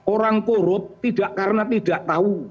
orang korup tidak karena tidak tahu